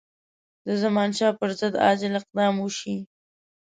د زمانشاه پر ضد عاجل اقدام وشي.